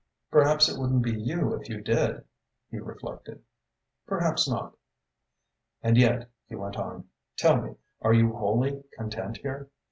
"Perhaps it wouldn't be you if you did," he reflected. "Perhaps not." "And yet," he went on, "tell me, are you wholly content here?